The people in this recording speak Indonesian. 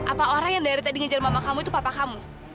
apa orang yang dari tadi ngejar mama kamu itu papa kamu